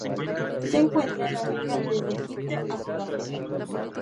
Se encuentra en África desde Egipto a Sudáfrica.